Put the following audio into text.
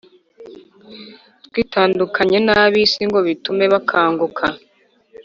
twitandukanye n'ab'isi, ngo bitume bakanguka,